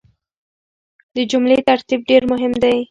د جملې ترتيب ډېر مهم دی.